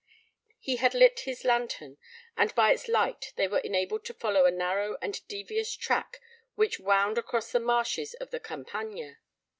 He had lit his lantern, and by its light they were enabled to follow a narrow and devious track which wound across the marshes of the Campagna.